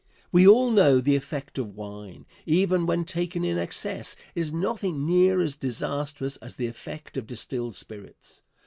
We all know the effect of wine, even when taken in excess, is nothing near as disastrous as the effect of distilled spirits.